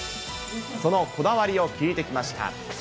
そのこだわりを聞いてきました。